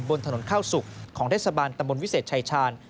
บนถนนข้าวสุกของเทศบาลตำบลวิเศษชายชาญ